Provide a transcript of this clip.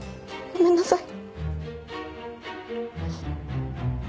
ごめんなさい。